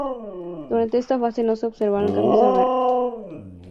Durante esta fase no se observan cambios orgánicos evidentes.